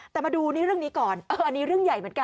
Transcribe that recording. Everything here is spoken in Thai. แต่มาดูนี่เรื่องนี้ก่อนอันนี้เรื่องใหญ่เหมือนกัน